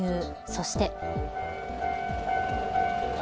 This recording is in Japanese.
そして。